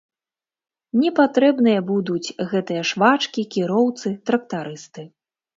Не патрэбныя будуць гэтыя швачкі, кіроўцы, трактарысты.